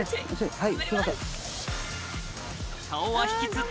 はい。